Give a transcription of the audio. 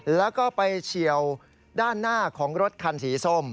แล้วก็ไปเฉียวด้านหน้าของรถคันสีส้ม